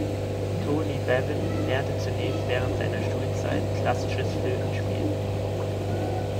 Tony Bevan lernte zunächst während seiner Schulzeit klassisches Flötenspiel.